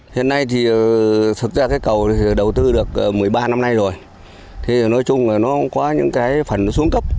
hiện nay thực ra cầu đầu tư được một mươi ba năm nay rồi nói chung là nó có những phần xuống cấp